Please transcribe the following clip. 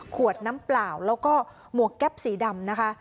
ขวดน้ำเปล่าแล้วก็หมวกแก๊ปสีดำนะคะ